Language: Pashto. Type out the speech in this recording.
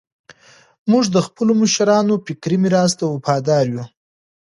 موږ د خپلو مشرانو فکري میراث ته وفادار یو.